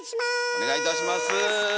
お願いいたします。